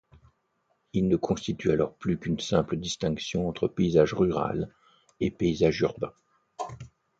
Il ne constitue alors plus qu'une simple distinction entre paysage rural et paysage urbain.